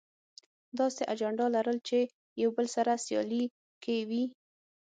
داسې اجنډا لرل چې يو بل سره سیالي کې وي.